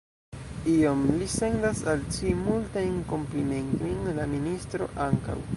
Iom; li sendas al ci multajn komplimentojn; la ministro ankaŭ.